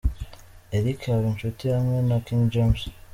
Eric Habinshuti hamwe na King James.